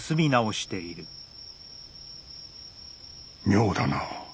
妙だな。